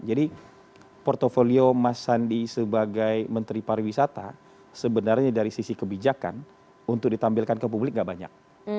jadi portfolio mas sandi sebagai menteri pariwisata sebenarnya dari sisi kebijakan untuk ditampilkan ke publik gak banyak